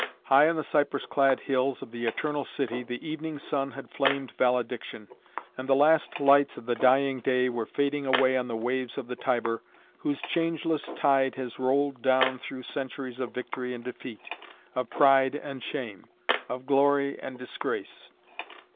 High on the cypress clad hills of the Eternal City the evening sun had flamed valediction, and the last lights of the dying day were fading away on the waves of the Tiber whose changeless tide has rolled down through centuries of victory and defeat, of pride and shame, of glory and disgrace.